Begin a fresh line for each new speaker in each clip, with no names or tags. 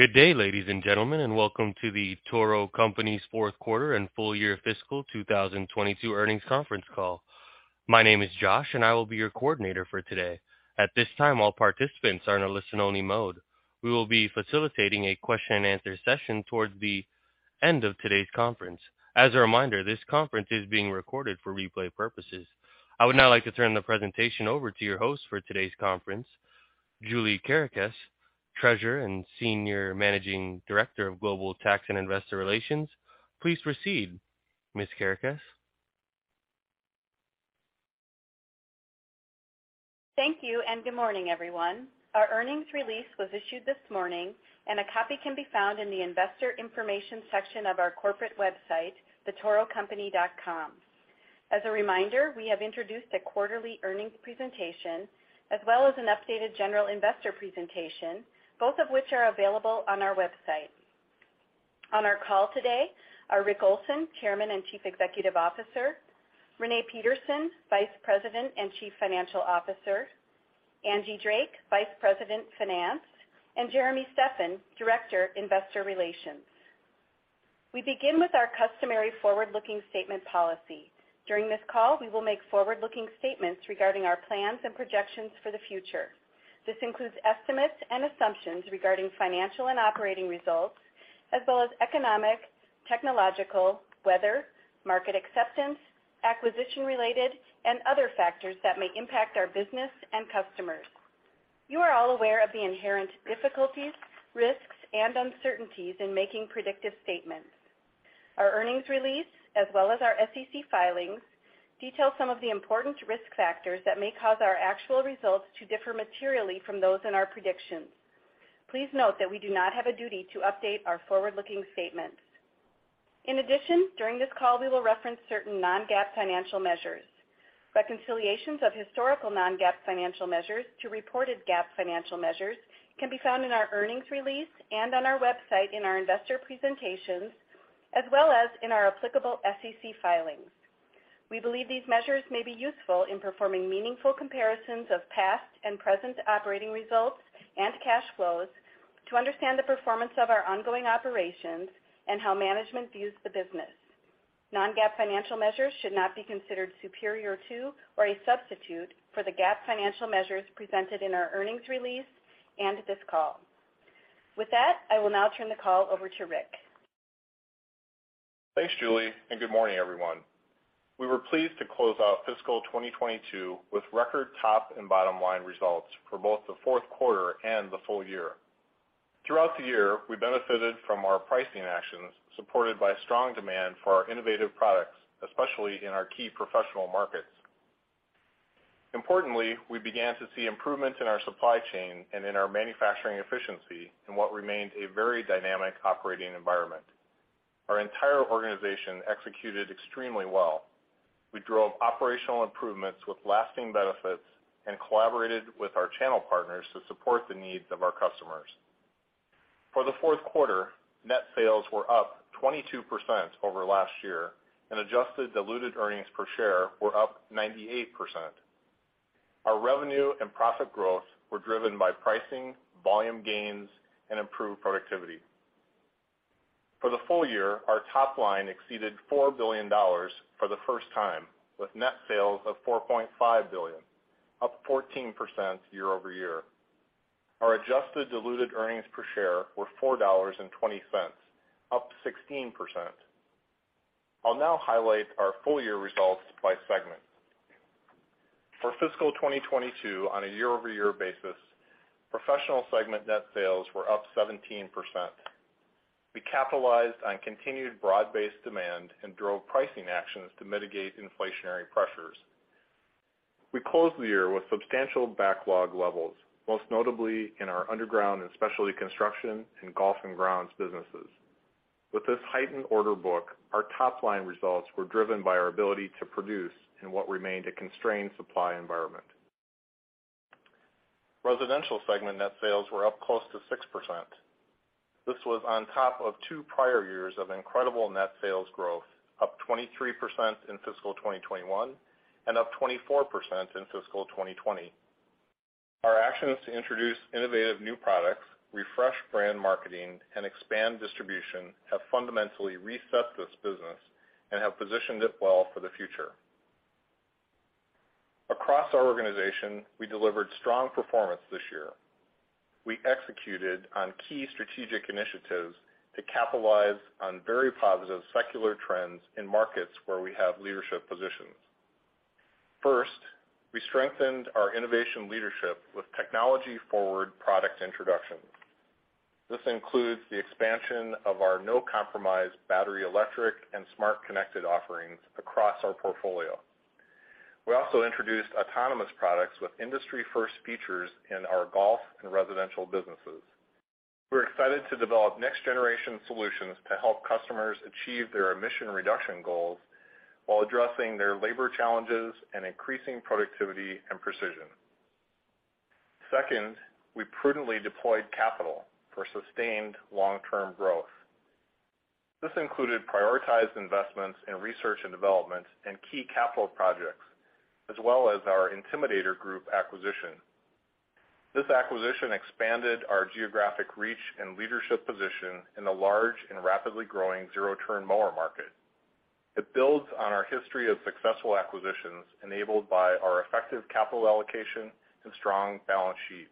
Good day, ladies and gentlemen, welcome to The Toro Company's fourth quarter and full year fiscal 2022 Earnings Conference Call. My name is Josh, and I will be your coordinator for today. At this time, all participants are in a listen-only mode. We will be facilitating a question and answer session towards the end of today's conference. As a reminder, this conference is being recorded for replay purposes. I would now like to turn the presentation over to your host for today's conference, Julie Kerekes, Treasurer and Senior Managing Director of Global Tax and Investor Relations. Please proceed, Ms. Kerekes.
Thank you, and good morning, everyone. Our earnings release was issued this morning, and a copy can be found in the investor information section of our corporate website, thetorocompany.com. As a reminder, we have introduced a quarterly earnings presentation as well as an updated general investor presentation, both of which are available on our website. On our call today are Rick Olson, Chairman and Chief Executive Officer; Renee Peterson, Vice President and Chief Financial Officer; Angie Drake, Vice President, Finance; and Jeremy Steffan, Director, Investor Relations. We begin with our customary forward-looking statement policy. During this call, we will make forward-looking statements regarding our plans and projections for the future. This includes estimates and assumptions regarding financial and operating results, as well as economic, technological, weather, market acceptance, acquisition-related, and other factors that may impact our business and customers. You are all aware of the inherent difficulties, risks, and uncertainties in making predictive statements. Our earnings release, as well as our SEC filings, detail some of the important risk factors that may cause our actual results to differ materially from those in our predictions. Please note that we do not have a duty to update our forward-looking statements. In addition, during this call, we will reference certain non-GAAP financial measures. Reconciliations of historical non-GAAP financial measures to reported GAAP financial measures can be found in our earnings release and on our website in our investor presentations, as well as in our applicable SEC filings. We believe these measures may be useful in performing meaningful comparisons of past and present operating results and cash flows to understand the performance of our ongoing operations and how management views the business. Non-GAAP financial measures should not be considered superior to or a substitute for the GAAP financial measures presented in our earnings release and this call. With that, I will now turn the call over to Rick.
Thanks, Julie, and good morning, everyone. We were pleased to close out fiscal 2022 with record top and bottom line results for both the fourth quarter and the full year. Throughout the year, we benefited from our pricing actions, supported by strong demand for our innovative products, especially in our key professional markets. Importantly, we began to see improvements in our supply chain and in our manufacturing efficiency in what remained a very dynamic operating environment. Our entire organization executed extremely well. We drove operational improvements with lasting benefits and collaborated with our channel partners to support the needs of our customers. For the fourth quarter, net sales were up 22% over last year, and adjusted diluted earnings per share were up 98%. Our revenue and profit growth were driven by pricing, volume gains, and improved productivity. For the full year, our top line exceeded $4 billion for the first time, with net sales of $4.5 billion, up 14% year-over-year. Our adjusted diluted earnings per share were $4.20, up 16%. I'll now highlight our full year results by segment. For fiscal 2022 on a year-over-year basis, professional segment net sales were up 17%. We capitalized on continued broad-based demand and drove pricing actions to mitigate inflationary pressures. We closed the year with substantial backlog levels, most notably in our underground and specialty construction and golf and grounds businesses. With this heightened order book, our top-line results were driven by our ability to produce in what remained a constrained supply environment. Residential segment net sales were up close to 6%. This was on top of two prior years of incredible net sales growth, up 23% in fiscal 2021 and up 24% in fiscal 2020. Our actions to introduce innovative new products, refresh brand marketing, and expand distribution have fundamentally reset this business and have positioned it well for the future. Across our organization, we delivered strong performance this year. We executed on key strategic initiatives to capitalize on very positive secular trends in markets where we have leadership positions. First, we strengthened our innovation leadership with technology-forward product introductions. This includes the expansion of our no-compromise battery, electric, and smart connected offerings across our portfolio. We also introduced autonomous products with industry-first features in our golf and residential businesses. We're excited to develop next-generation solutions to help customers achieve their emission reduction goals while addressing their labor challenges and increasing productivity and precision. Second, we prudently deployed capital for sustained long-term growth. This included prioritized investments in research and development and key capital projects, as well as our Intimidator Group acquisition. This acquisition expanded our geographic reach and leadership position in the large and rapidly growing zero-turn mower market. It builds on our history of successful acquisitions enabled by our effective capital allocation and strong balance sheet.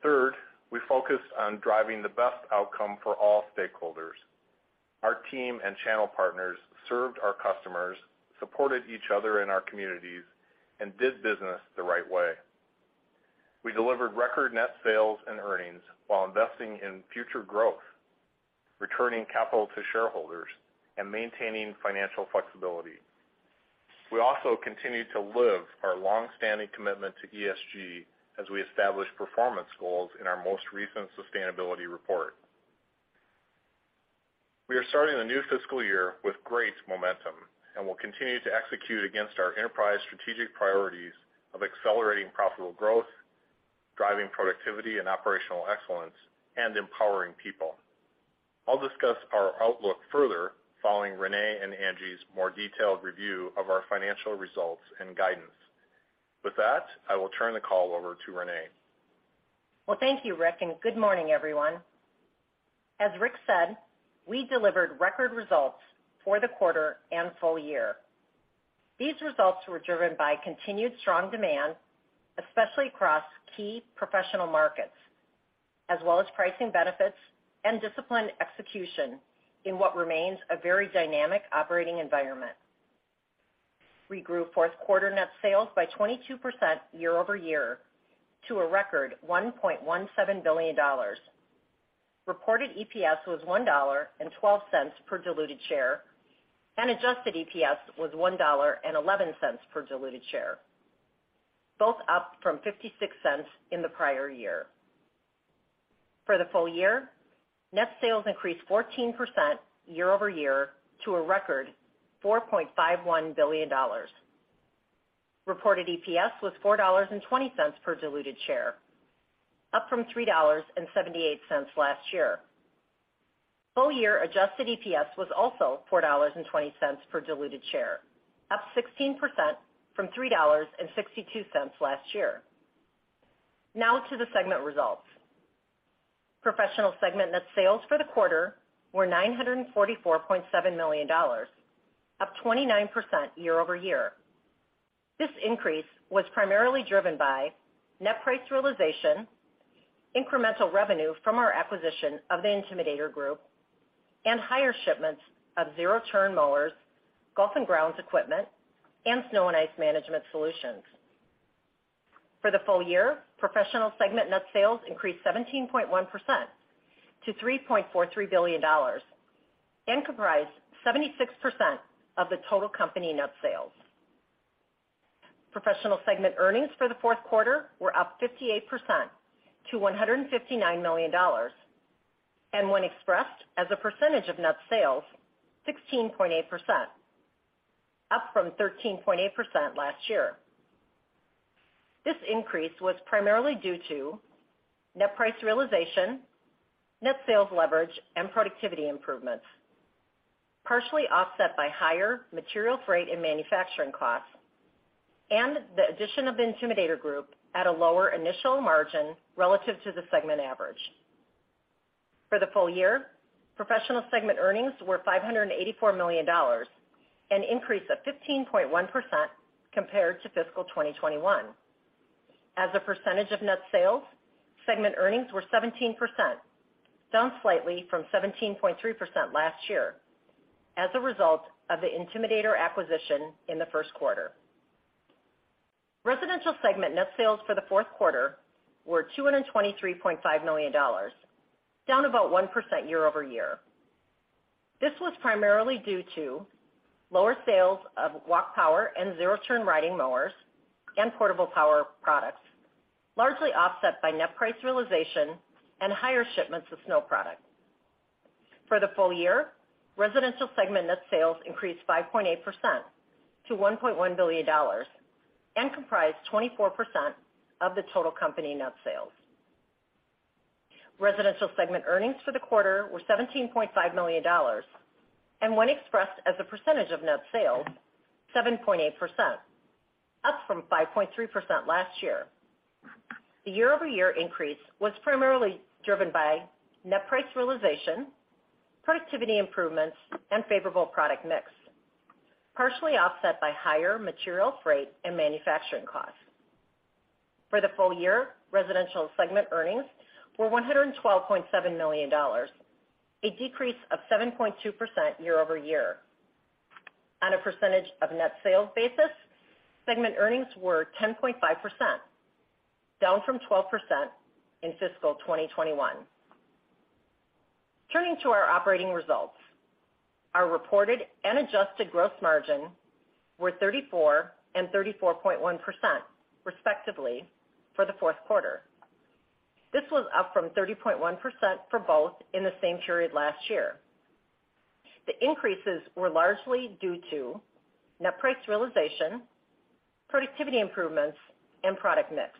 Third, we focused on driving the best outcome for all stakeholders. Our team and channel partners served our customers, supported each other in our communities, and did business the right way. We delivered record net sales and earnings while investing in future growth, returning capital to shareholders, and maintaining financial flexibility. We also continued to live our long-standing commitment to ESG as we established performance goals in our most recent sustainability report. We are starting the new fiscal year with great momentum and will continue to execute against our enterprise strategic priorities of accelerating profitable growth, driving productivity and operational excellence, and empowering people. I'll discuss our outlook further following Renee and Angie's more detailed review of our financial results and guidance. With that, I will turn the call over to Renee.
Thank you, Rick, and good morning, everyone. As Rick said, we delivered record results for the quarter and full year. These results were driven by continued strong demand, especially across key professional markets, as well as pricing benefits and disciplined execution in what remains a very dynamic operating environment. We grew fourth quarter net sales by 22% year-over-year to a record $1.17 billion. Reported EPS was $1.12 per diluted share, and adjusted EPS was $1.11 per diluted share, both up from $0.56 in the prior year. For the full year, net sales increased 14% year-over-year to a record $4.51 billion. Reported EPS was $4.20 per diluted share, up from $3.78 last year. Full year adjusted EPS was also $4.20 per diluted share, up 16% from $3.62 last year. Now to the segment results. Professional segment net sales for the quarter were $944.7 million, up 29% year-over-year. This increase was primarily driven by net price realization, incremental revenue from our acquisition of the Intimidator Group, and higher shipments of zero-turn mowers, golf and grounds equipment, and snow and ice management solutions. For the full year, Professional segment net sales increased 17.1% to $3.43 billion and comprised 76% of the total company net sales. Professional segment earnings for the fourth quarter were up 58% to $159 million. When expressed as a percentage of net sales, 16.8%, up from 13.8% last year. This increase was primarily due to net price realization, net sales leverage, and productivity improvements, partially offset by higher material freight and manufacturing costs and the addition of the Intimidator Group at a lower initial margin relative to the segment average. For the full year, Professional segment earnings were $584 million, an increase of 15.1% compared to fiscal 2021. As a percentage of net sales, segment earnings were 17%, down slightly from 17.3% last year as a result of the Intimidator acquisition in the first quarter. Residential segment net sales for the fourth quarter were $223.5 million, down about 1% year-over-year. This was primarily due to lower sales of walk power and zero-turn riding mowers and portable power products, largely offset by net price realization and higher shipments of snow products. For the full year, Residential Segment net sales increased 5.8% to $1.1 billion and comprised 24% of the total company net sales. Residential Segment earnings for the quarter were $17.5 million. When expressed as a percentage of net sales, 7.8%, up from 5.3% last year. The year-over-year increase was primarily driven by net price realization, productivity improvements, and favorable product mix, partially offset by higher material freight and manufacturing costs. For the full year, Residential Segment earnings were $112.7 million, a decrease of 7.2% year-over-year. On a percentage of net sales basis, segment earnings were 10.5%, down from 12% in fiscal 2021. Turning to our operating results. Our reported and adjusted gross margin were 34% and 34.1%, respectively, for the fourth quarter. This was up from 30.1% for both in the same period last year. The increases were largely due to net price realization, productivity improvements, and product mix.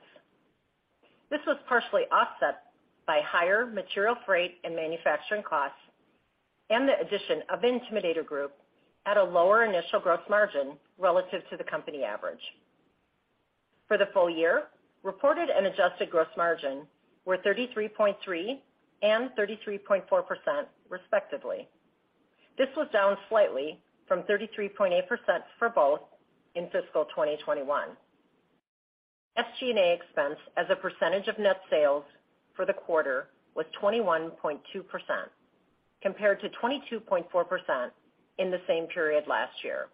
This was partially offset by higher material freight and manufacturing costs and the addition of Intimidator Group at a lower initial gross margin relative to the company average. For the full year, reported and adjusted gross margin were 33.3% and 33.4%, respectively. This was down slightly from 33.8% for both in fiscal 2021. SG&A expense as a percentage of net sales for the quarter was 21.2%, compared to 22.4% in the same period last year.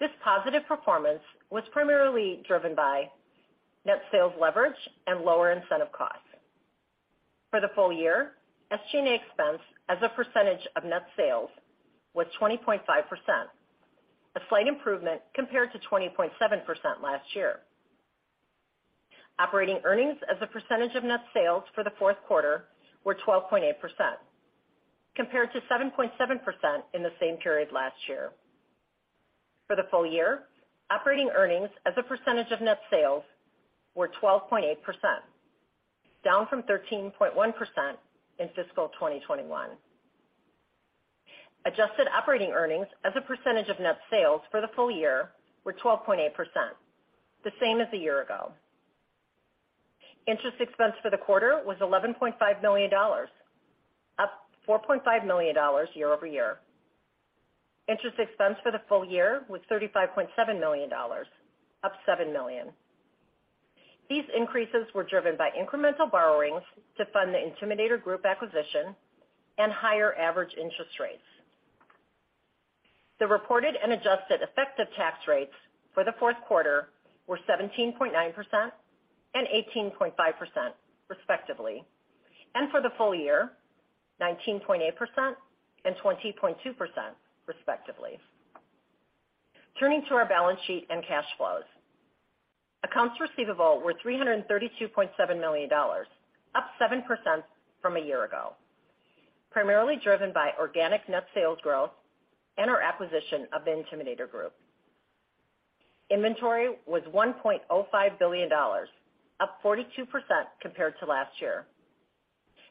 This positive performance was primarily driven by net sales leverage and lower incentive costs. For the full year, SG&A expense as a percentage of net sales was 20.5%, a slight improvement compared to 20.7% last year. Operating earnings as a percentage of net sales for the fourth quarter were 12.8%, compared to 7.7% in the same period last year. For the full year, operating earnings as a percentage of net sales were 12.8%, down from 13.1% in fiscal 2021. Adjusted operating earnings as a percentage of net sales for the full year were 12.8%, the same as a year ago. Interest expense for the quarter was $11.5 million, up $4.5 million year-over-year. Interest expense for the full year was $35.7 million, up $7 million. These increases were driven by incremental borrowings to fund the Intimidator Group acquisition and higher average interest rates. The reported and adjusted effective tax rates for the fourth quarter were 17.9% and 18.5%, respectively. For the full year, 19.8% and 20.2%, respectively. Turning to our balance sheet and cash flows. Accounts receivable were $332.7 million, up 7% from a year ago, primarily driven by organic net sales growth and our acquisition of the Intimidator Group. Inventory was $1.05 billion, up 42% compared to last year.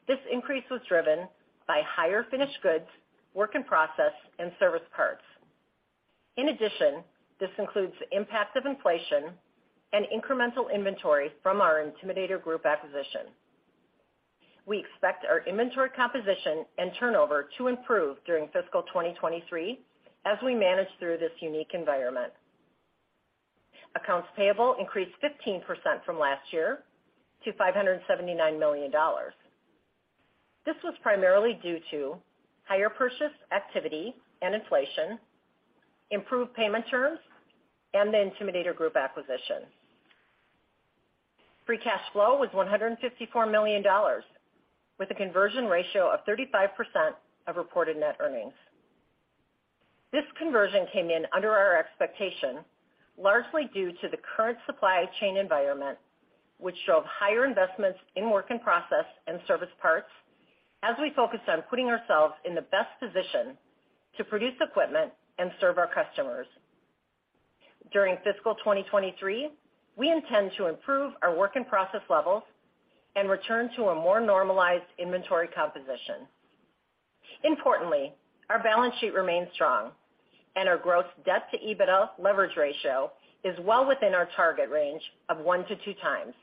This increase was driven by higher finished goods, work in process, and service parts. In addition, this includes the impact of inflation and incremental inventory from our Intimidator Group acquisition. We expect our inventory composition and turnover to improve during fiscal 2023 as we manage through this unique environment. Accounts payable increased 15% from last year to $579 million. This was primarily due to higher purchase activity and inflation, improved payment terms, and the Intimidator Group acquisition. Free cash flow was $154 million with a conversion ratio of 35% of reported net earnings. This conversion came in under our expectation, largely due to the current supply chain environment, which showed higher investments in work in process and service parts as we focused on putting ourselves in the best position to produce equipment and serve our customers. During fiscal 2023, we intend to improve our work in process levels and return to a more normalized inventory composition. Importantly, our balance sheet remains strong and our gross debt to EBITDA leverage ratio is well within our target range of 1-2 times.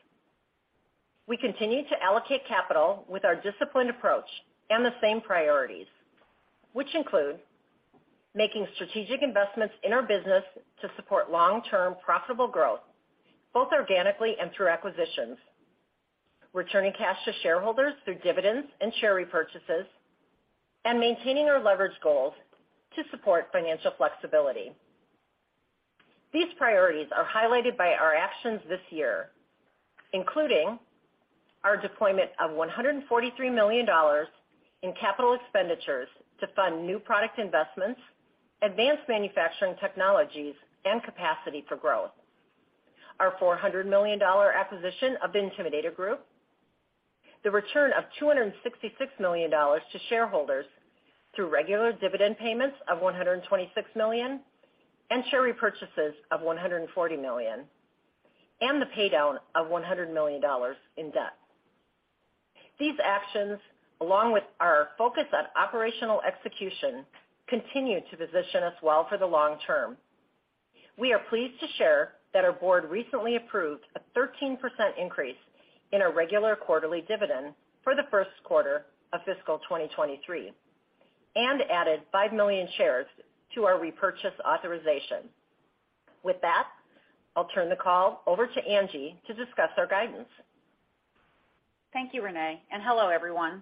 We continue to allocate capital with our disciplined approach and the same priorities, which include making strategic investments in our business to support long-term profitable growth, both organically and through acquisitions, returning cash to shareholders through dividends and share repurchases, and maintaining our leverage goals to support financial flexibility. These priorities are highlighted by our actions this year, including our deployment of $143 million in capital expenditures to fund new product investments, advanced manufacturing technologies, and capacity for growth. Our $400 million acquisition of the Intimidator Group, the return of $266 million to shareholders through regular dividend payments of $126 million and share repurchases of $140 million, and the pay down of $100 million in debt. These actions, along with our focus on operational execution, continue to position us well for the long term. We are pleased to share that our board recently approved a 13% increase in our regular quarterly dividend for the first quarter of fiscal 2023 and added 5 million shares to our repurchase authorization. With that, I'll turn the call over to Angie to discuss our guidance.
Thank you, Renee, and hello, everyone.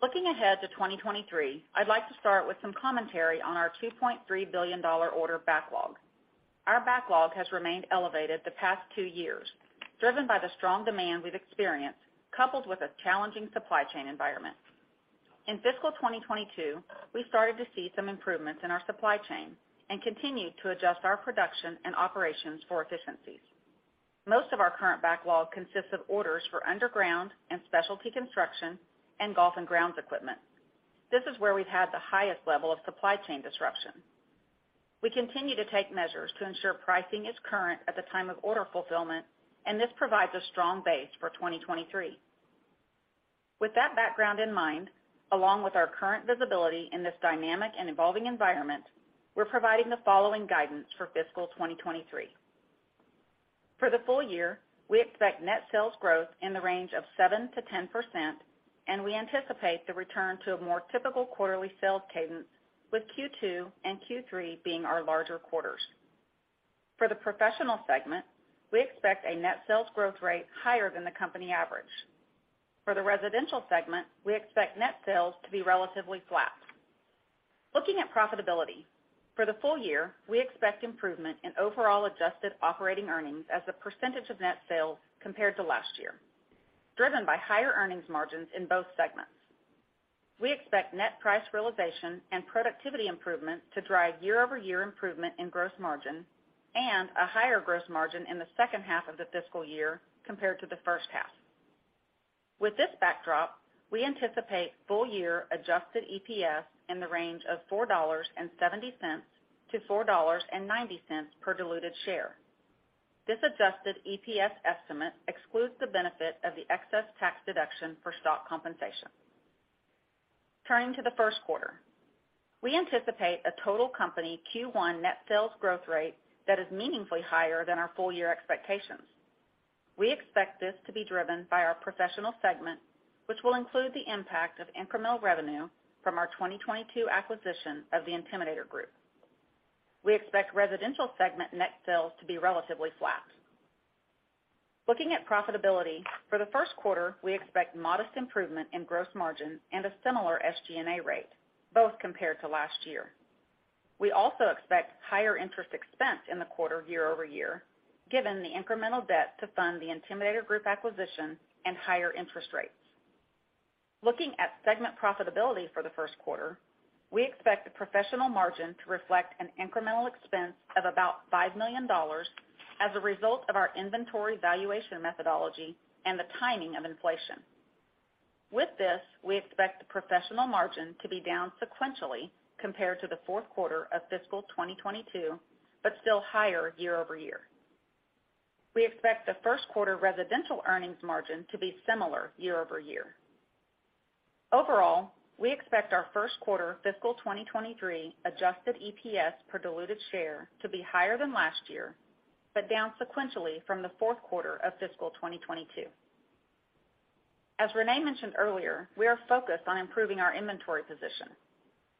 Looking ahead to 2023, I'd like to start with some commentary on our $2.3 billion order backlog. Our backlog has remained elevated the past two years, driven by the strong demand we've experienced, coupled with a challenging supply chain environment. In fiscal 2022, we started to see some improvements in our supply chain and continued to adjust our production and operations for efficiencies. Most of our current backlog consists of orders for underground and specialty construction and golf and grounds equipment. This is where we've had the highest level of supply chain disruption. We continue to take measures to ensure pricing is current at the time of order fulfillment, and this provides a strong base for 2023. With that background in mind, along with our current visibility in this dynamic and evolving environment, we're providing the following guidance for fiscal 2023. For the full year, we expect net sales growth in the range of 7%-10%, and we anticipate the return to a more typical quarterly sales cadence with Q2 and Q3 being our larger quarters. For the Professional segment, we expect a net sales growth rate higher than the company average. For the Residential segment, we expect net sales to be relatively flat. Looking at profitability, for the full year, we expect improvement in overall adjusted operating earnings as a % of net sales compared to last year, driven by higher earnings margins in both segments. We expect net price realization and productivity improvement to drive year-over-year improvement in gross margin and a higher gross margin in the second half of the fiscal year compared to the first half. With this backdrop, we anticipate full year adjusted EPS in the range of $4.70 to $4.90 per diluted share. This adjusted EPS estimate excludes the benefit of the excess tax deduction for stock compensation. Turning to the first quarter, we anticipate a total company Q1 net sales growth rate that is meaningfully higher than our full year expectations. We expect this to be driven by our Professional segment, which will include the impact of incremental revenue from our 2022 acquisition of the Intimidator Group. We expect Residential segment net sales to be relatively flat. Looking at profitability, for the first quarter, we expect modest improvement in gross margin and a similar SG&A rate, both compared to last year. We also expect higher interest expense in the quarter year-over-year, given the incremental debt to fund the Intimidator Group acquisition and higher interest rates. Looking at segment profitability for the first quarter, we expect the Professional margin to reflect an incremental expense of about $5 million as a result of our inventory valuation methodology and the timing of inflation. With this, we expect the Professional margin to be down sequentially compared to the fourth quarter of fiscal 2022, but still higher year-over-year. We expect the first quarter Residential earnings margin to be similar year-over-year. Overall, we expect our first quarter fiscal 2023 adjusted EPS per diluted share to be higher than last year, but down sequentially from the fourth quarter of fiscal 2022. As Renee mentioned earlier, we are focused on improving our inventory position.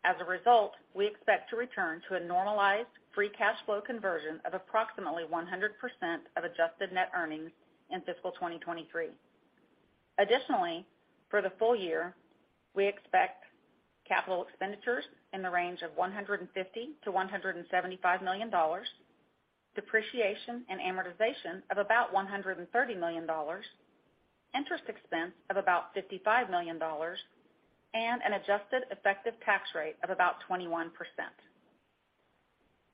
As a result, we expect to return to a normalized free cash flow conversion of approximately 100% of adjusted net earnings in fiscal 2023. Additionally, for the full year, we expect capital expenditures in the range of $150 million-$175 million, depreciation and amortization of about $130 million, interest expense of about $55 million, and an adjusted effective tax rate of about 21%.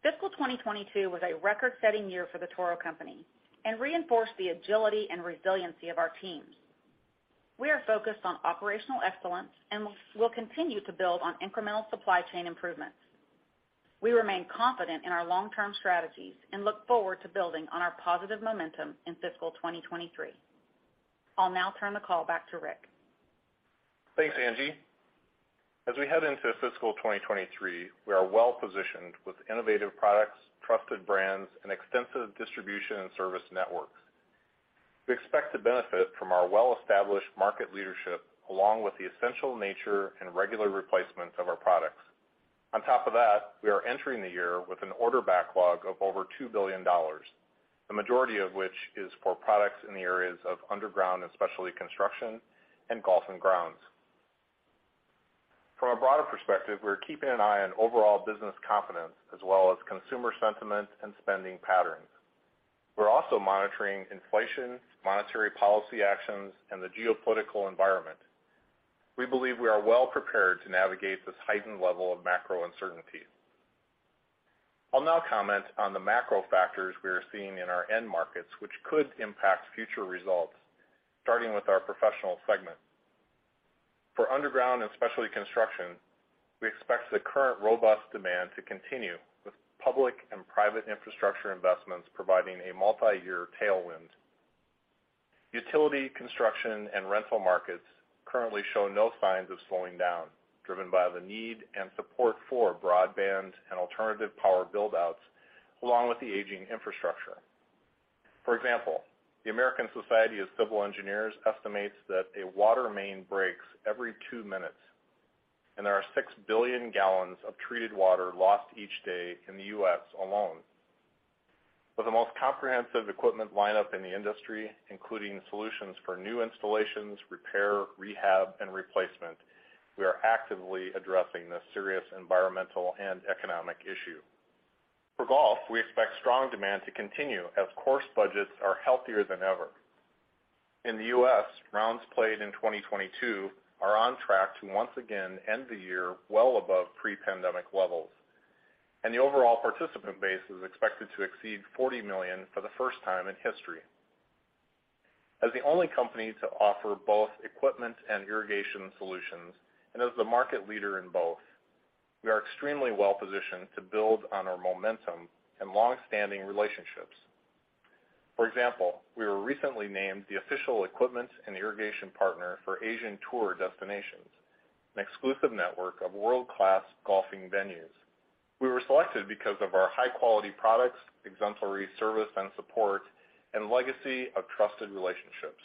Fiscal 2022 was a record-setting year for The Toro Company and reinforced the agility and resiliency of our teams. We are focused on operational excellence and will continue to build on incremental supply chain improvements. We remain confident in our long-term strategies and look forward to building on our positive momentum in fiscal 2023. I'll now turn the call back to Rick.
Thanks, Angie. As we head into fiscal 2023, we are well-positioned with innovative products, trusted brands, and extensive distribution and service networks. We expect to benefit from our well-established market leadership, along with the essential nature and regular replacements of our products. On top of that, we are entering the year with an order backlog of over $2 billion, the majority of which is for products in the areas of underground and specialty construction and golf and grounds. From a broader perspective, we're keeping an eye on overall business confidence as well as consumer sentiment and spending patterns. We're also monitoring inflation, monetary policy actions, and the geopolitical environment. We believe we are well prepared to navigate this heightened level of macro uncertainty. I'll now comment on the macro factors we are seeing in our end markets which could impact future results, starting with our Professional segment. For underground and specialty construction, we expect the current robust demand to continue with public and private infrastructure investments providing a multiyear tailwind. Utility construction and rental markets currently show no signs of slowing down, driven by the need and support for broadband and alternative power build-outs, along with the aging infrastructure. For example, the American Society of Civil Engineers estimates that a water main breaks every two minutes, and there are six billion gallons of treated water lost each day in the U.S. alone. With the most comprehensive equipment lineup in the industry, including solutions for new installations, repair, rehab, and replacement, we are actively addressing this serious environmental and economic issue. For golf, we expect strong demand to continue as course budgets are healthier than ever. In the U.S., rounds played in 2022 are on track to once again end the year well above pre-pandemic levels, and the overall participant base is expected to exceed 40 million for the first time in history. As the only company to offer both equipment and irrigation solutions, and as the market leader in both, we are extremely well positioned to build on our momentum and long-standing relationships. For example, we were recently named the official equipment and irrigation partner for Asian Tour Destinations, an exclusive network of world-class golfing venues. We were selected because of our high-quality products, exemplary service and support, and legacy of trusted relationships.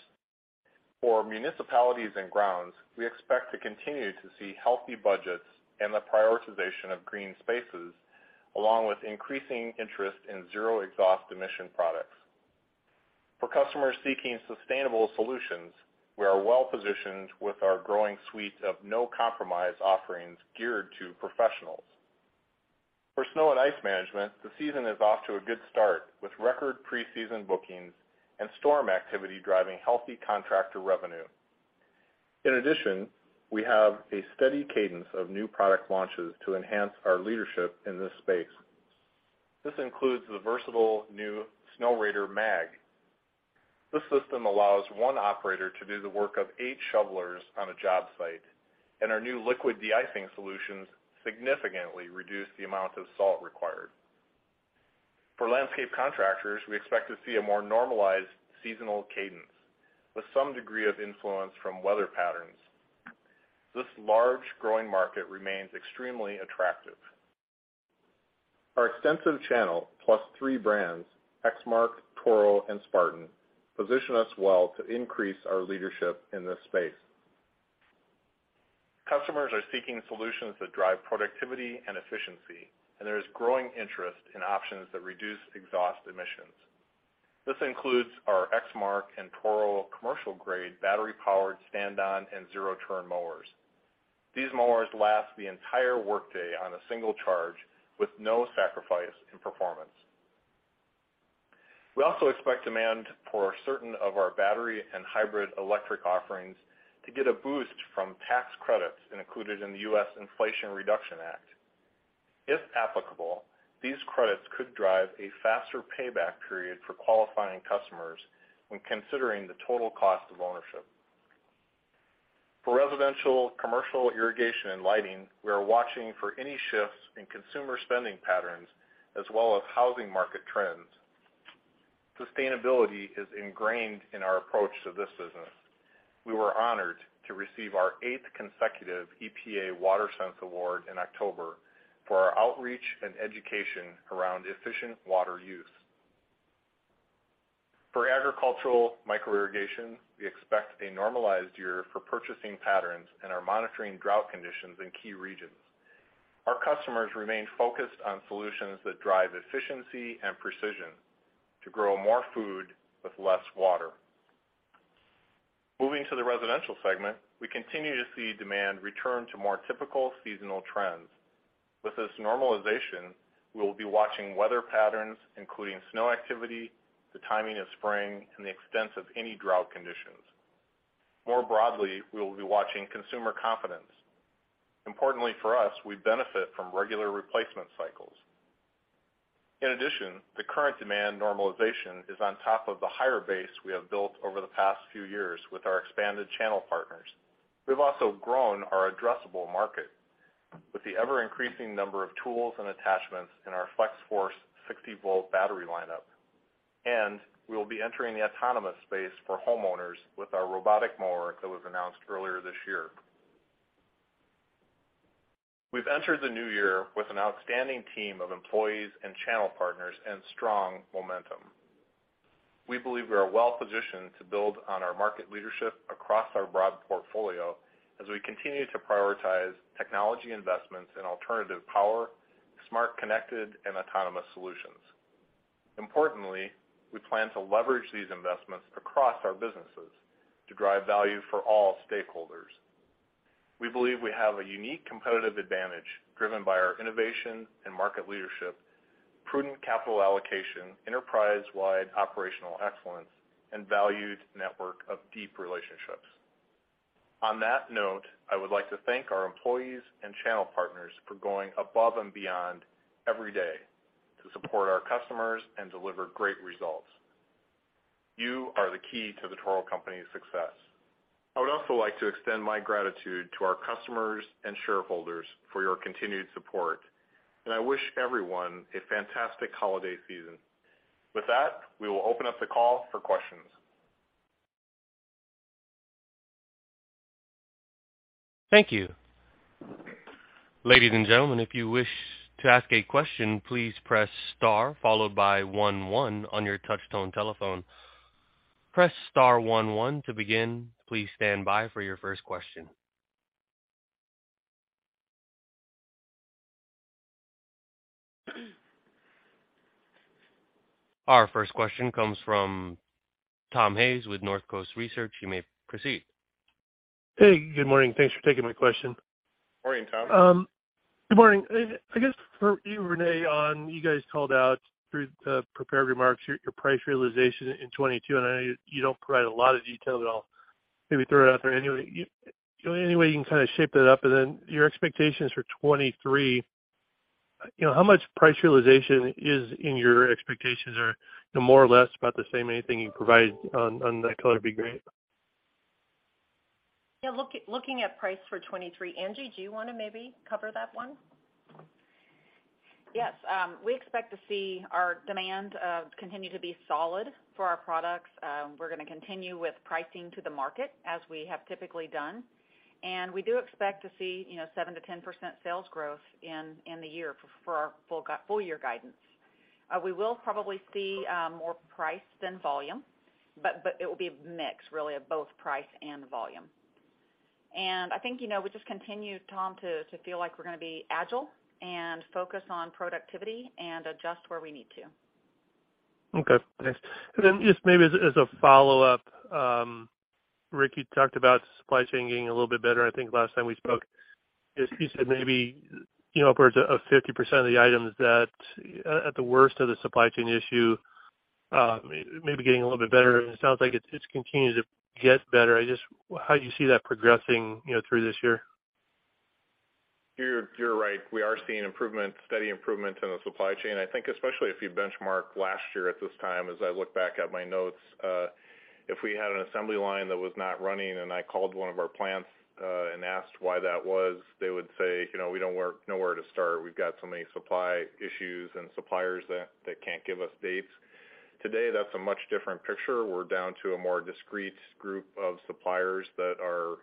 For municipalities and grounds, we expect to continue to see healthy budgets and the prioritization of green spaces, along with increasing interest in zero exhaust emission products. For customers seeking sustainable solutions, we are well positioned with our growing suite of no-compromise offerings geared to professionals. For snow and ice management, the season is off to a good start, with record preseason bookings and storm activity driving healthy contractor revenue. We have a steady cadence of new product launches to enhance our leadership in this space. This includes the versatile new Snowrator MAG. This system allows one operator to do the work of eight shovelers on a job site, and our new liquid de-icing solutions significantly reduce the amount of salt required. For landscape contractors, we expect to see a more normalized seasonal cadence, with some degree of influence from weather patterns. This large growing market remains extremely attractive. Our extensive channel, plus three brands, Exmark, Toro, and Spartan, position us well to increase our leadership in this space. Customers are seeking solutions that drive productivity and efficiency, and there is growing interest in options that reduce exhaust emissions. This includes our Exmark and Toro commercial-grade battery-powered stand-on and zero-turn mowers. These mowers last the entire workday on a single charge with no sacrifice in performance. We also expect demand for certain of our battery and hybrid electric offerings to get a boost from tax credits included in the U.S. Inflation Reduction Act. If applicable, these credits could drive a faster payback period for qualifying customers when considering the total cost of ownership. For residential, commercial irrigation, and lighting, we are watching for any shifts in consumer spending patterns as well as housing market trends. Sustainability is ingrained in our approach to this business. We were honored to receive our eighth consecutive EPA WaterSense award in October for our outreach and education around efficient water use. For agricultural micro irrigation, we expect a normalized year for purchasing patterns and are monitoring drought conditions in key regions. Our customers remain focused on solutions that drive efficiency and precision to grow more food with less water. Moving to the residential segment, we continue to see demand return to more typical seasonal trends. With this normalization, we will be watching weather patterns, including snow activity, the timing of spring, and the extent of any drought conditions. More broadly, we will be watching consumer confidence. Importantly for us, we benefit from regular replacement cycles. The current demand normalization is on top of the higher base we have built over the past few years with our expanded channel partners. We've also grown our addressable market with the ever-increasing number of tools and attachments in our Flex-Force 60-volt battery lineup. We will be entering the autonomous space for homeowners with our robotic mower that was announced earlier this year. We've entered the new year with an outstanding team of employees and channel partners and strong momentum. We believe we are well positioned to build on our market leadership across our broad portfolio as we continue to prioritize technology investments in alternative power, smart connected, and autonomous solutions. Importantly, we plan to leverage these investments across our businesses to drive value for all stakeholders. We believe we have a unique competitive advantage driven by our innovation and market leadership, prudent capital allocation, enterprise-wide operational excellence, and valued network of deep relationships. On that note, I would like to thank our employees and channel partners for going above and beyond every day to support our customers and deliver great results. You are the key to The Toro Company's success. I would also like to extend my gratitude to our customers and shareholders for your continued support, and I wish everyone a fantastic holiday season. With that, we will open up the call for questions.
Thank you. Ladies and gentlemen, if you wish to ask a question, please press star followed by one one on your touch tone telephone. Press star one one to begin. Please stand by for your first question. Our first question comes from Tom Hayes with Northcoast Research. You may proceed.
Hey, good morning. Thanks for taking my question.
Morning, Tom.
Good morning. I guess for you, Renee, on you guys called out through the prepared remarks your price realization in 2022, and I know you don't provide a lot of detail at all. Maybe throw it out there anyway. Is there any way you can kind of shape it up? Then your expectations for 2023. You know, how much price realization is in your expectations are no more or less about the same. Anything you can provide on that color would be great.
Yeah. Looking at price for 2023, Angie, Do you want to maybe cover that one?
Yes. We expect to see our demand continue to be solid for our products. We're gonna continue with pricing to the market as we have typically done. We do expect to see, you know, 7%-10% sales growth in the year for our full year guidance. We will probably see more price than volume, but it will be a mix really of both price and volume. I think, we just continue, Tom, to feel like we're gonna be agile and focus on productivity and adjust where we need to.
Okay, thanks. Just maybe as a follow-up, Rick, you talked about supply chain getting a little bit better, I think last time we spoke. As you said, maybe, you know, upwards of 50% of the items that, at the worst of the supply chain issue, maybe getting a little bit better. It sounds like it's continuing to get better. How do you see that progressing, you know, through this year?
You're right. We are seeing improvement, steady improvement in the supply chain. I think especially if you benchmark last year at this time, as I look back at my notes, if we had an assembly line that was not running, and I called one of our plants, and asked why that was, they would say, "You know, we don't know where to start. We've got so many supply issues and suppliers that can't give us dates." Today, that's a much different picture. We're down to a more discrete group of suppliers that are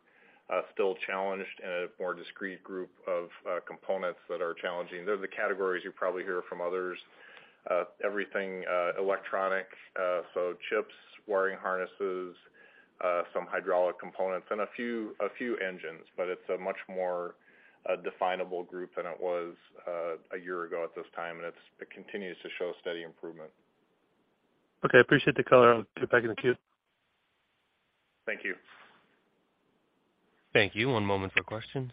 still challenged and a more discrete group of components that are challenging. There's the categories you probably hear from others, everything electronic. So chips, wiring harnesses, some hydraulic components and a few engines.It's a much more definable group than it was a year ago at this time, and it continues to show steady improvement.
Okay. Appreciate the color. I'll jump back in the queue.
Thank you.
Thank you. One moment for questions.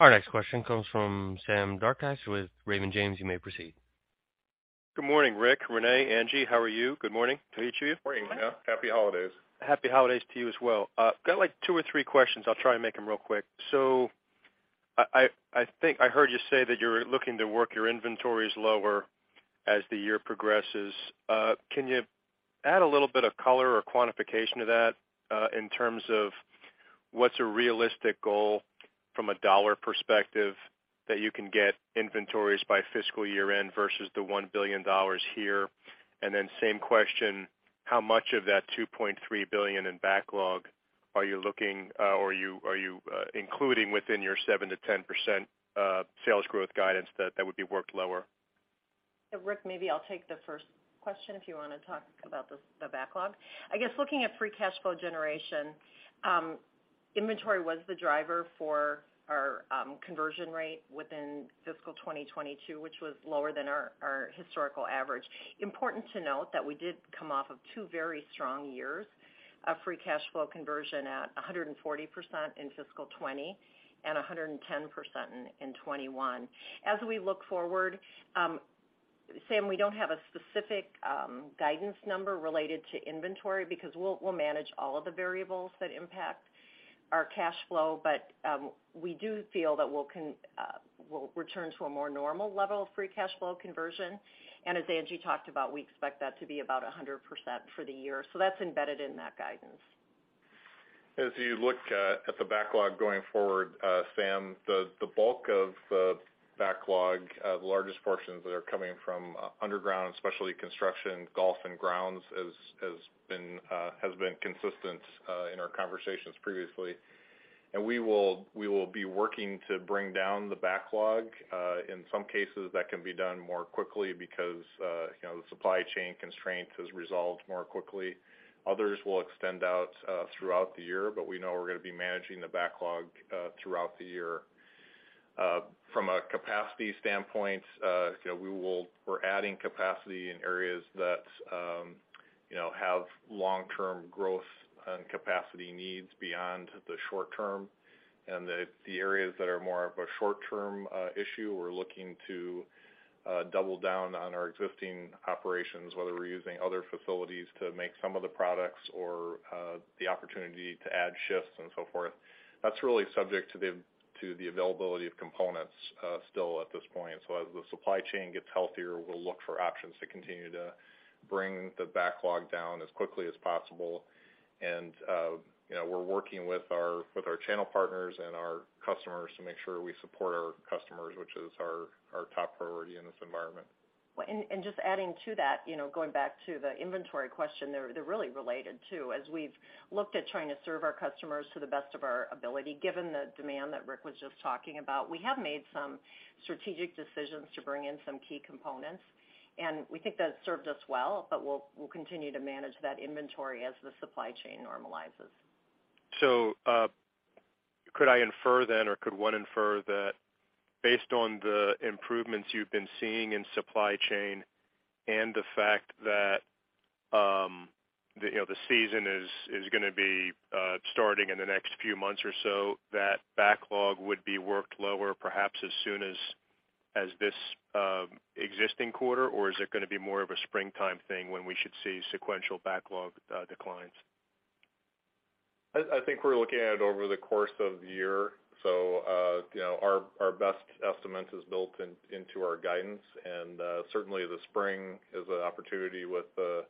Our next question comes from Sam Darkatsh with Raymond James. You may proceed.
Good morning, Rick, Renee, Angie. How are you? Good morning to each of you.
Morning. Happy holidays.
Happy holidays to you as well. Got like two or three questions. I'll try and make them real quick. I think I heard you say that you're looking to work your inventories lower as the year progresses. Can you add a little bit of color or quantification to that, in terms of what's a realistic goal from a dollar perspective that you can get inventories by fiscal year-end versus the $1 billion here? Same question, how much of that $2.3 billion in backlog are you looking, are you including within your 7%-10% sales growth guidance that that would be worked lower?
Rick, maybe I'll take the first question if you wanna talk about the backlog. I guess looking at free cash flow generation, inventory was the driver for our conversion rate within fiscal 2022, which was lower than our historical average. Important to note that we did come off of two very strong years of free cash flow conversion at 140% in fiscal 2020 and 110% in 2021. As we look forward, Sam, we don't have a specific guidance number related to inventory because we'll manage all of the variables that impact our cash flow. We do feel that we'll return to a more normal level of free cash flow conversion. As Angie talked about, we expect that to be about 100% for the year. That's embedded in that guidance.
As you look at the backlog going forward, Sam, the bulk of the backlog, the largest portions that are coming from underground, especially construction, golf and grounds, as has been consistent in our conversations previously. We will be working to bring down the backlog. In some cases, that can be done more quickly because, you know, the supply chain constraint has resolved more quickly. Others will extend out throughout the year, we know we're gonna be managing the backlog throughout the year. From a capacity standpoint, you know, we're adding capacity in areas that, you know, have long-term growth and capacity needs beyond the short term. The areas that are more of a short term issue, we're looking to double down on our existing operations, whether we're using other facilities to make some of the products or the opportunity to add shifts and so forth. That's really subject to the availability of components still at this point. As the supply chain gets healthier, we'll look for options to continue to bring the backlog down as quickly as possible. You know, we're working with our channel partners and our customers to make sure we support our customers, which is our top priority in this environment.
Well, just adding to that, you know, going back to the inventory question, they're really related too. As we've looked at trying to serve our customers to the best of our ability, given the demand that Rick was just talking about, we have made some strategic decisions to bring in some key components, and we think that's served us well, but we'll continue to manage that inventory as the supply chain normalizes.
Could I infer then, or could one infer that based on the improvements you've been seeing in supply chain and the fact that, the, you know, the season is gonna be, starting in the next few months or so, that backlog would be worked lower, perhaps as soon as this, existing quarter, or is it gonna be more of a springtime thing when we should see sequential backlog, declines?
I think we're looking at it over the course of the year. You know, our best estimate is built in, into our guidance. Certainly the spring is an opportunity with the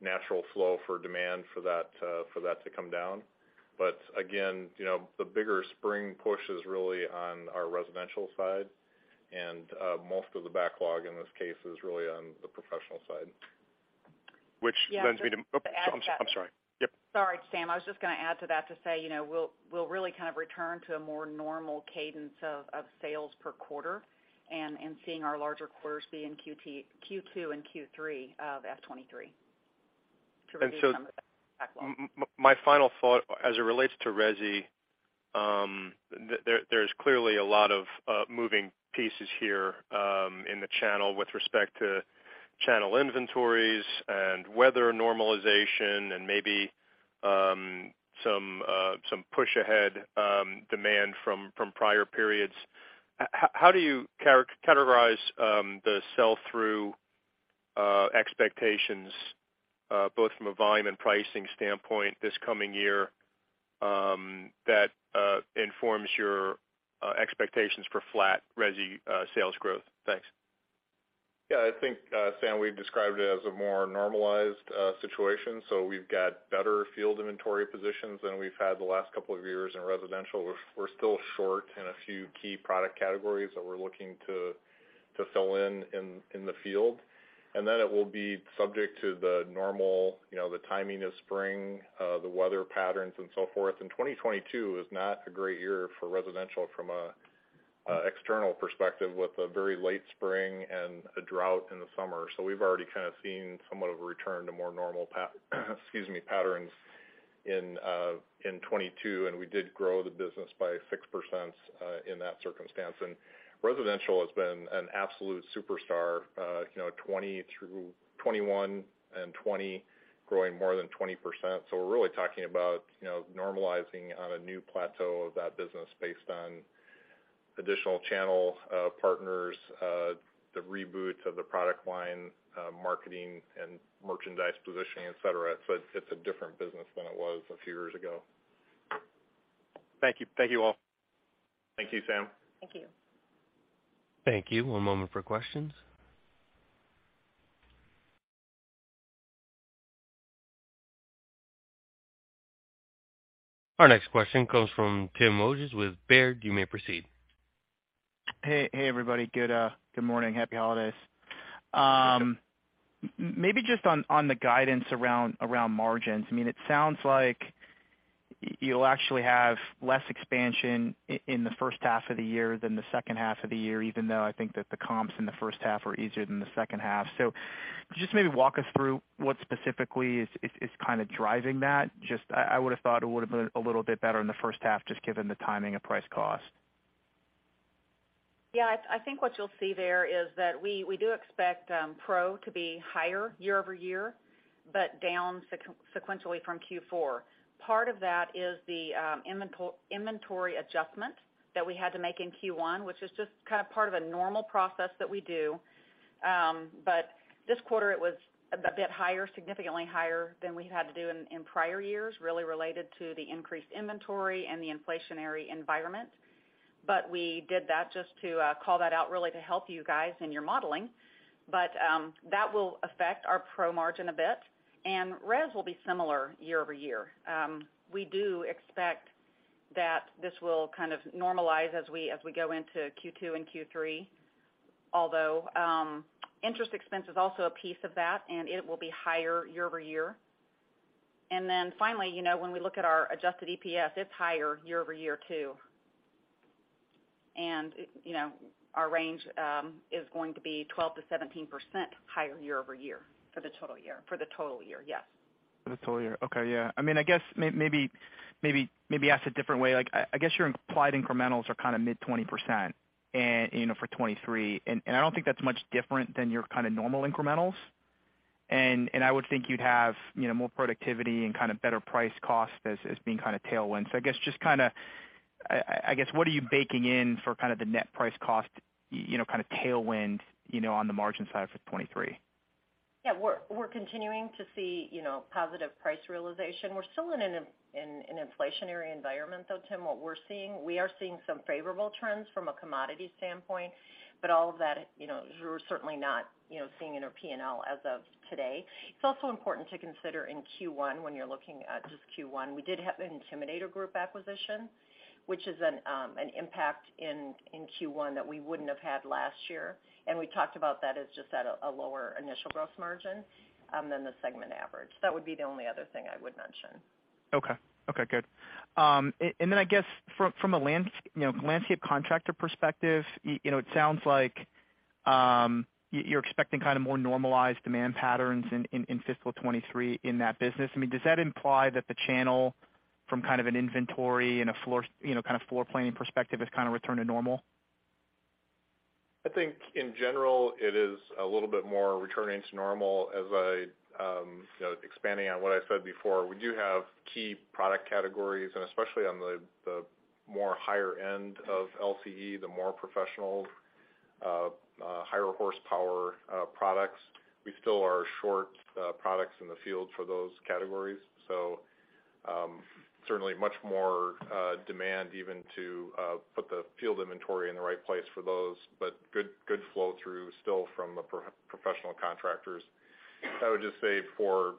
natural flow for demand for that, for that to come down. Again, you know, the bigger spring push is really on our residential side, and most of the backlog in this case is really on the professional side.
Which leads me to.
Yeah, just to add to that.
Oh, I'm sorry. Yep.
Sorry, Sam. I was just gonna add to that to say, you know, we'll really kind of return to a more normal cadence of sales per quarter and seeing our larger quarters be in Q2 and Q3 of FY 2023 to reduce some of that backlog.
My final thought as it relates to resi, there's clearly a lot of moving pieces here in the channel with respect to channel inventories and weather normalization and maybe some push ahead demand from prior periods. How do you categorize the sell-through expectations both from a volume and pricing standpoint this coming year that informs your expectations for flat resi sales growth? Thanks.
Yeah, I think, Sam, we've described it as a more normalized situation. We've got better field inventory positions than we've had the last couple of years in residential. We're still short in a few key product categories that we're looking to fill in the field. It will be subject to the normal, you know, the timing of spring, the weather patterns and so forth. 2022 is not a great year for residential from an external perspective with a very late spring and a drought in the summer. We've already kind of seen somewhat of a return to more normal patterns in 2022, and we did grow the business by 6% in that circumstance. Residential has been an absolute superstar, you know, 2021 and 2020 growing more than 20%. We're really talking about, you know, normalizing on a new plateau of that business based on additional channel, partners, the reboots of the product line, marketing and merchandise positioning, et cetera. It's a different business than it was a few years ago.
Thank you. Thank you, all.
Thank you, Sam.
Thank you.
Thank you. One moment for questions. Our next question comes from Timothy Wojs with Baird. You may proceed.
Hey, hey, everybody. Good, good morning. Happy holidays.
You too.
Maybe just on the guidance around margins. I mean, it sounds like you'll actually have less expansion in the first half of the year than the second half of the year, even though I think that the comps in the first half are easier than the second half. Just maybe walk us through what specifically is kind of driving that. Just I would have thought it would've been a little bit better in the first half just given the timing of price cost.
I think what you'll see there is that we do expect pro to be higher year-over-year, but down sequentially from Q4. Part of that is the inventory adjustment that we had to make in Q1, which is just kind of part of a normal process that we do. This quarter, it was a bit higher, significantly higher than we had to do in prior years, really related to the increased inventory and the inflationary environment. We did that just to call that out really to help you guys in your modeling. That will affect our pro margin a bit, and residential will be similar year-over-year. We do expect that this will kind of normalize as we go into Q2 and Q3, although, interest expense is also a piece of that, and it will be higher year-over-year. Finally, you know, when we look at our adjusted EPS, it's higher year-over-year too. You know, our range is going to be 12%-17% higher year-over-year.
For the total year?
For the total year, yes.
For the total year. Okay. Yeah. I mean, I guess maybe asked a different way, like I guess your implied incrementals are kind of mid-20% and, you know, for 2023. I don't think that's much different than your kind of normal incrementals. I would think you'd have, you know, more productivity and kind of better price cost as being kind of tailwind. I guess just kinda, I guess, what are you baking in for kind of the net price cost, you know, kind of tailwind, you know, on the margin side for 2023?
Yeah. We're continuing to see, you know, positive price realization. We're still in an inflationary environment though, Tim, what we're seeing. We are seeing some favorable trends from a commodity standpoint, but all of that, you know, we're certainly not, you know, seeing in our P&L as of today. It's also important to consider in Q1 when you're looking at just Q1, we did have an Intimidator Group acquisition, which is an impact in Q1 that we wouldn't have had last year. We talked about that as just at a lower initial gross margin than the segment average. That would be the only other thing I would mention.
Okay. Okay, good. Then I guess from a landscape contractor perspective, you know, it sounds like, you're expecting kind of more normalized demand patterns in fiscal 2023 in that business. I mean, does that imply that the channel from kind of an inventory and a floor, you know, kind of floor planning perspective has kind of returned to normal?
I think in general it is a little bit more returning to normal. As I, you know, expanding on what I said before, we do have key product categories, and especially on the more higher end of LCE, the more professional, higher horsepower products. We still are short products in the field for those categories. Certainly much more demand even to put the field inventory in the right place for those. Good, good flow through still from the pro-professional contractors. I would just say for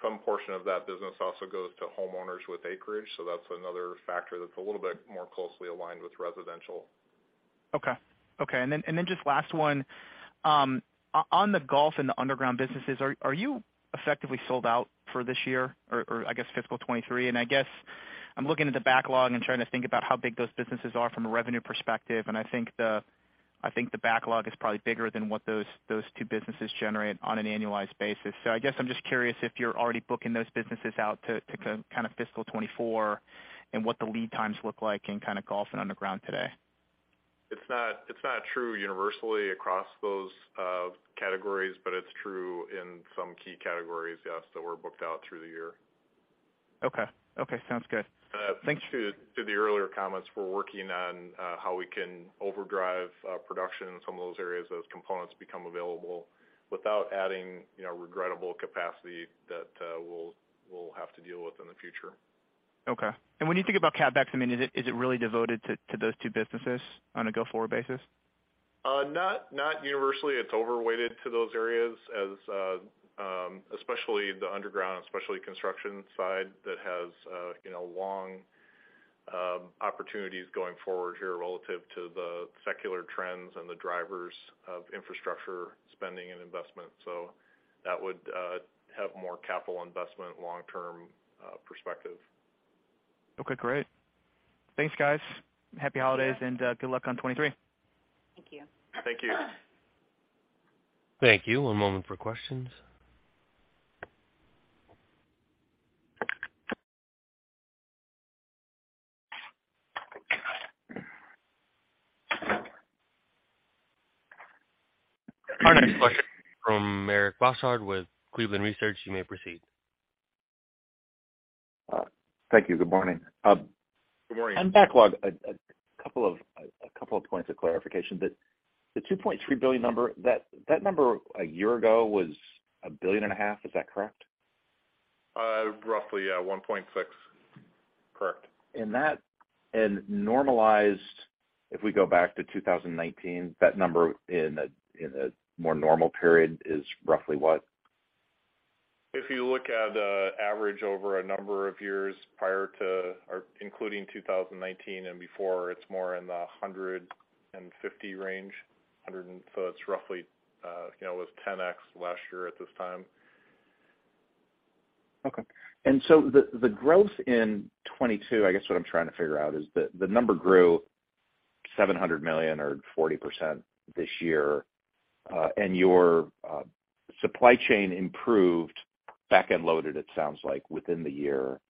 some portion of that business also goes to homeowners with acreage, so that's another factor that's a little bit more closely aligned with residential.
Okay. Okay. Then just last one. On the golf and the underground businesses, are you effectively sold out for this year, or I guess fiscal 2023? I guess I'm looking at the backlog and trying to think about how big those businesses are from a revenue perspective. I think the backlog is probably bigger than what those two businesses generate on an annualized basis. I guess I'm just curious if you're already booking those businesses out to kind of fiscal 2024, and what the lead times look like in kind of golf and underground today.
It's not true universally across those categories, but it's true in some key categories, yes, that we're booked out through the year.
Okay. Okay, sounds good. Thank you.
To the earlier comments, we're working on how we can overdrive production in some of those areas as components become available without adding, you know, regrettable capacity that we'll have to deal with in the future.
Okay. When you think about CapEx, I mean, is it really devoted to those two businesses on a go-forward basis?
Not universally. It's overweighted to those areas as especially the underground, especially construction side that has, you know, long opportunities going forward here relative to the secular trends and the drivers of infrastructure spending and investment. That would have more capital investment long-term perspective.
Okay, great. Thanks, guys. Happy holidays and good luck on 2023.
Thank you.
Thank you.
Thank you. One moment for questions. Our next question from Eric Bosshard with Cleveland Research Company. You may proceed.
Thank you. Good morning.
Good morning.
On backlog, a couple of points of clarification. The $2.3 billion number, that number a year ago was a $billion and a half. Is that correct?
Roughly, yeah. 1.6. Correct.
Normalized, if we go back to 2019, that number in a, in a more normal period is roughly what?
If you look at an average over a number of years prior to or including 2019 and before, it's more in the 150 range. It's roughly, you know, it was 10x last year at this time.
Okay. So the growth in 2022, I guess what I'm trying to figure out, is the number grew $700 million or 40% this year. And your supply chain improved back-end loaded, it sounds like, within the year.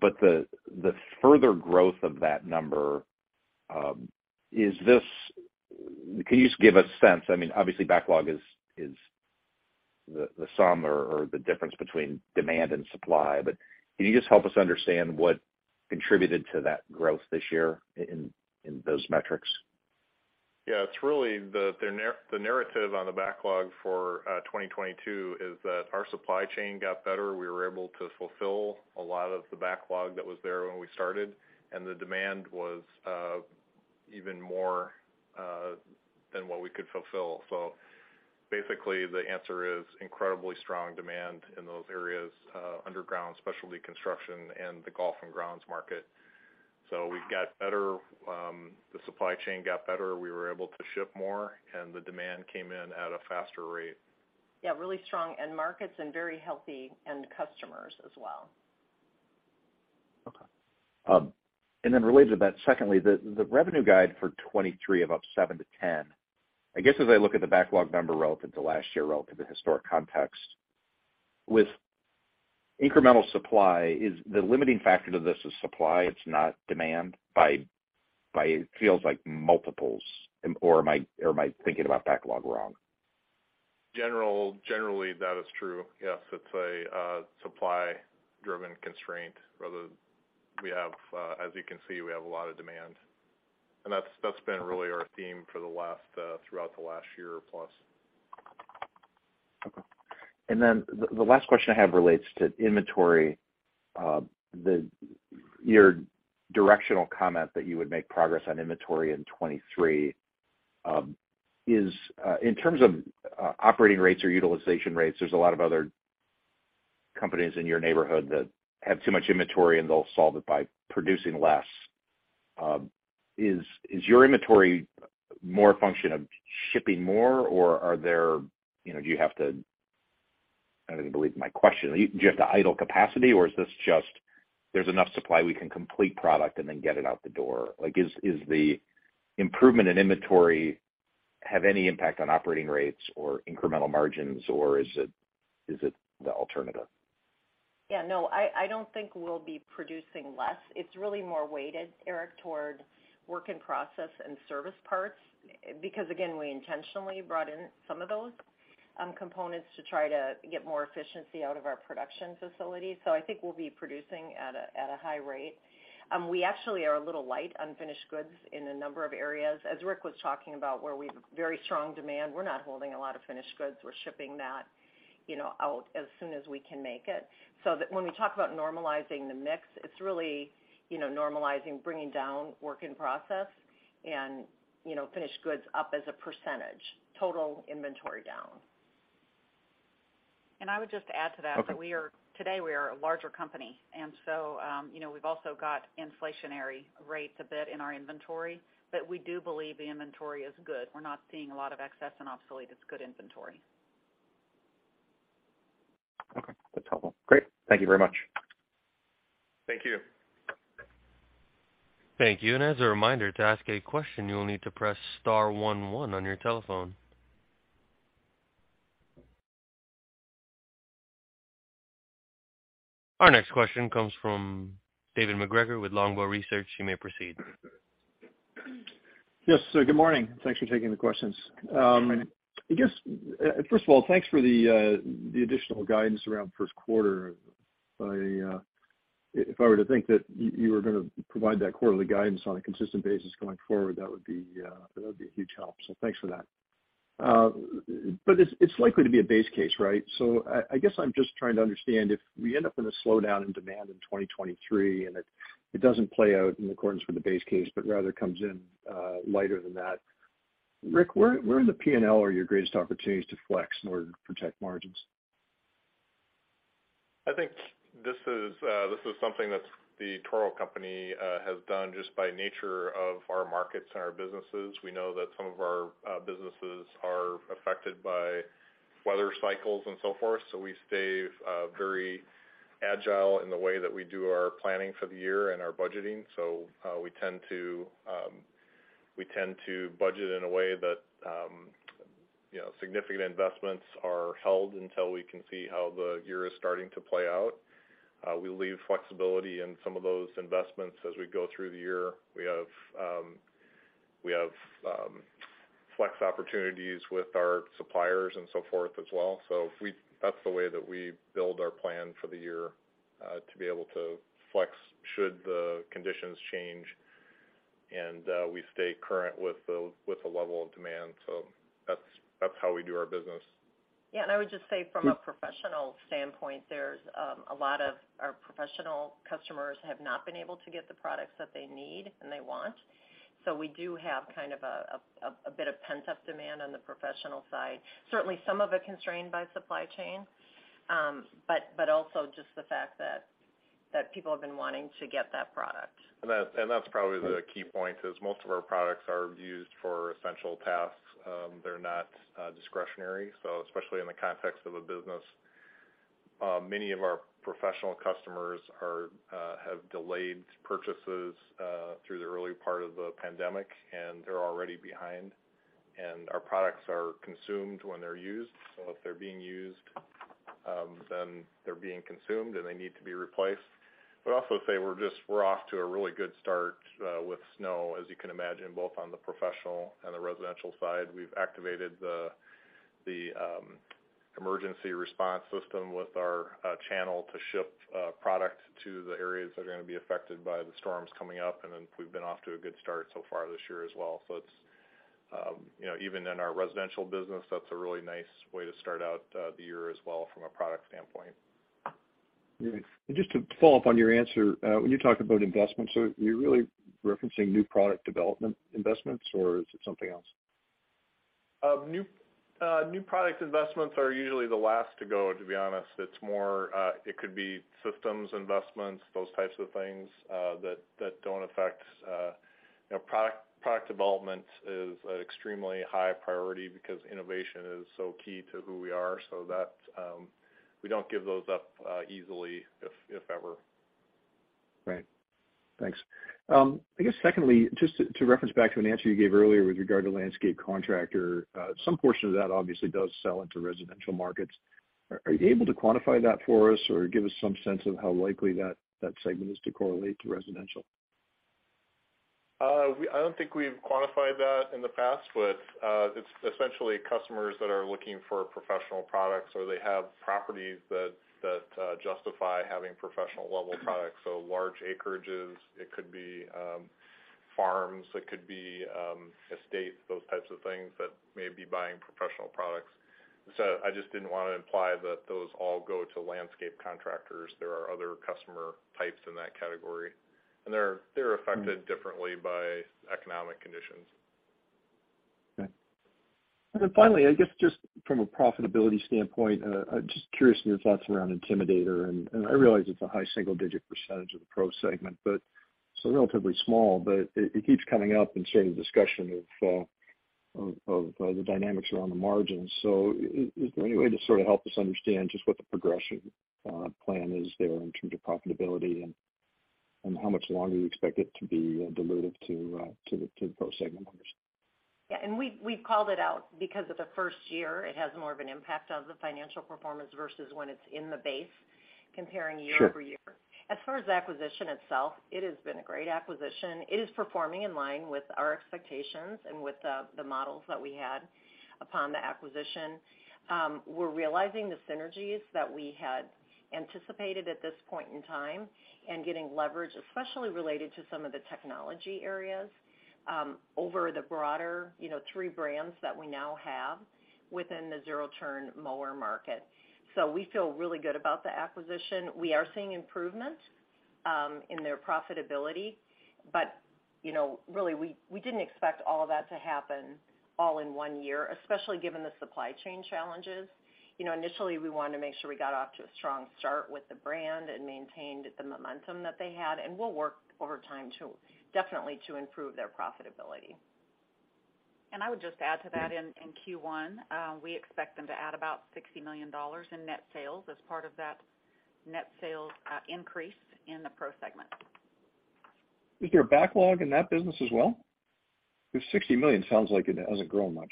The further growth of that number, is this? Can you just give a sense? I mean, obviously backlog is the sum or the difference between demand and supply. Can you just help us understand what contributed to that growth this year in those metrics?
It's really the narrative on the backlog for 2022 is that our supply chain got better. We were able to fulfill a lot of the backlog that was there when we started, the demand was even more than what we could fulfill. Basically, the answer is incredibly strong demand in those areas, underground, specialty construction, and the golf and grounds market. We got better, the supply chain got better, we were able to ship more, the demand came in at a faster rate.
Yeah, really strong end markets and very healthy end customers as well.
Okay. Related to that, secondly, the revenue guide for 2023 of up 7-10%, I guess, as I look at the backlog number relative to last year, relative to historic context, with incremental supply, is the limiting factor to this is supply, it's not demand by it feels like multiples? Or am I thinking about backlog wrong?
Generally, that is true. Yes. It's a supply-driven constraint rather. We have, as you can see, we have a lot of demand. That's been really our theme for the last throughout the last year plus.
Okay. The last question I have relates to inventory. Your directional comment that you would make progress on inventory in 2023 is in terms of operating rates or utilization rates, there's a lot of other companies in your neighborhood that have too much inventory, and they'll solve it by producing less. Is your inventory more a function of shipping more, or are there, you know, do you have to idle capacity, or is this just there's enough supply, we can complete product and then get it out the door? Is the improvement in inventory have any impact on operating rates or incremental margins, or is it the alternative?
Yeah, no. I don't think we'll be producing less. It's really more weighted, Eric, toward work in process and service parts. Again, we intentionally brought in some of those components to try to get more efficiency out of our production facilities. I think we'll be producing at a high rate. We actually are a little light on finished goods in a number of areas. As Rick was talking about, where we've very strong demand, we're not holding a lot of finished goods. We're shipping that, you know, out as soon as we can make it. When we talk about normalizing the mix, it's really, you know, normalizing, bringing down work in process and, you know, finished goods up as a %. Total inventory down.
I would just add to that. Today, we are a larger company. You know, we've also got inflationary rates a bit in our inventory. We do believe the inventory is good. We're not seeing a lot of excess and obsolete, it's good inventory.
Okay, that's helpful. Great. Thank you very much.
Thank you.
Thank you. As a reminder, to ask a question, you will need to press star one one on your telephone. Our next question comes from. You may proceed.
Yes, good morning. Thanks for taking the questions.
Good morning.
I guess, first of all, thanks for the additional guidance around first quarter. I, if I were to think that you were gonna provide that quarterly guidance on a consistent basis going forward, that would be a huge help, so thanks for that. But it's likely to be a base case, right? I guess I'm just trying to understand if we end up in a slowdown in demand in 2023, and it doesn't play out in accordance with the base case, but rather comes in, lighter than that, Rick, where in the P&L are your greatest opportunities to flex in order to protect margins?
I think this is something that The Toro Company has done just by nature of our markets and our businesses. We know that some of our businesses are affected by weather cycles and so forth, we stay very agile in the way that we do our planning for the year and our budgeting. We tend to budget in a way that, you know, significant investments are held until we can see how the year is starting to play out. We leave flexibility in some of those investments as we go through the year. We have flex opportunities with our suppliers and so forth as well. That's the way that we build our plan for the year, to be able to flex should the conditions change, and we stay current with the level of demand. That's how we do our business.
I would just say from a professional standpoint, there's a lot of our professional customers have not been able to get the products that they need and they want. We do have kind of a bit of pent-up demand on the professional side. Certainly, some of it constrained by supply chain, but also just the fact that people have been wanting to get that product.
That, and that's probably the key point is most of our products are used for essential tasks. They're not discretionary. Especially in the context of a business, many of our professional customers have delayed purchases through the early part of the pandemic, and they're already behind. Our products are consumed when they're used. If they're being used, then they're being consumed, and they need to be replaced. Also say we're just, we're off to a really good start with snow, as you can imagine, both on the professional and the residential side. We've activated the emergency response system with our channel to ship product to the areas that are gonna be affected by the storms coming up. Then we've been off to a good start so far this year as well. It's, you know, even in our residential business, that's a really nice way to start out the year as well from a product standpoint.
Great. Just to follow up on your answer, when you talk about investments, are you really referencing new product development investments, or is it something else?
New, new product investments are usually the last to go, to be honest. It's more, it could be systems investments, those types of things, that don't affect, you know, product development is an extremely high priority because innovation is so key to who we are. That, we don't give those up, easily, if ever.
Right. Thanks. I guess secondly, just to reference back to an answer you gave earlier with regard to landscape contractor, some portion of that obviously does sell into residential markets. Are you able to quantify that for us or give us some sense of how likely that segment is to correlate to residential?
I don't think we've quantified that in the past, but it's essentially customers that are looking for professional products, or they have properties that justify having professional level products. Large acreages, it could be farms, it could be estates, those types of things that may be buying professional products. I just didn't wanna imply that those all go to landscape contractors. There are other customer types in that category. They're affected differently by economic conditions.
Finally, I guess, just from a profitability standpoint, just curious your thoughts around Intimidator. I realize it's a high single-digit % of the pro segment, but so relatively small, but it keeps coming up in say the discussion of the dynamics around the margins. Is there any way to sort of help us understand just what the progression plan is there in terms of profitability and how much longer you expect it to be dilutive to the pro segment margins?
We've called it out because of the first year. It has more of an impact on the financial performance versus when it's in the base. Comparing year-over-year. As far as the acquisition itself, it has been a great acquisition. It is performing in line with our expectations and with the models that we had upon the acquisition. We're realizing the synergies that we had anticipated at this point in time and getting leverage, especially related to some of the technology areas, over the broader, you know, three brands that we now have within the zero-turn mower market. We feel really good about the acquisition. We are seeing improvement in their profitability. You know, really, we didn't expect all of that to happen all in one year, especially given the supply chain challenges. You know, initially, we wanted to make sure we got off to a strong start with the brand and maintained the momentum that they had, and we'll work over time to definitely to improve their profitability.
I would just add to that in Q1, we expect them to add about $60 million in net sales as part of that net sales, increase in the Pro segment.
Is there a backlog in that business as well? $60 million sounds like it hasn't grown much.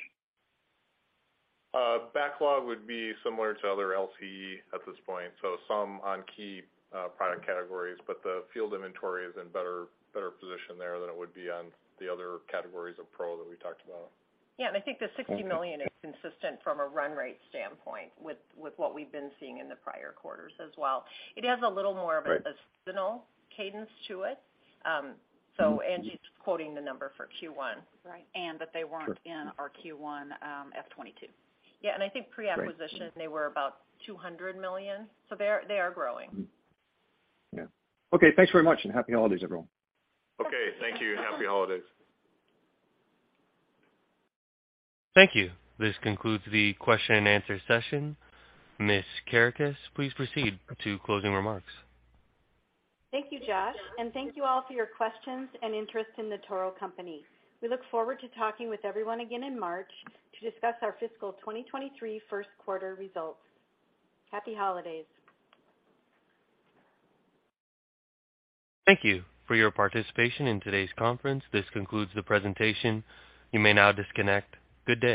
Backlog would be similar to other LCE at this point. Some on key product categories, but the field inventory is in better position there than it would be on the other categories of Pro that we talked about.
Yeah. I think the $60 million is consistent from a run rate standpoint with what we've been seeing in the prior quarters as well. It has a little more seasonal cadence to it. Angie's quoting the number for Q1 that they weren't in our Q1, FY22. Yeah, I think pre-acquisition, they were about $200 million. They are growing.
Yeah. Okay, thanks very much, and Happy Holidays, everyone.
Okay, thank you, and Happy Holidays.
Thank you. This concludes the question and answer session. Ms. Kerekes, please proceed to closing remarks.
Thank you, Josh, and thank you all for your questions and interest in The Toro Company. We look forward to talking with everyone again in March to discuss our fiscal 2023 first quarter results. Happy Holidays.
Thank you for your participation in today's conference. This concludes the presentation. You may now disconnect. Good day.